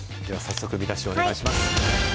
では早速、見出しをお願いします。